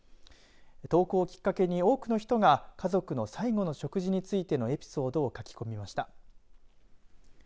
投稿をきっかけに、多くの人が家族の最期の食事についてのエピソードを書き込みました。